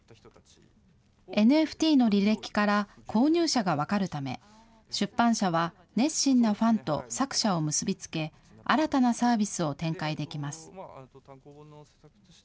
ＮＦＴの履歴から購入者が分かるため、出版社は熱心なファンと作者を結び付け、新たなサービスを展開できます。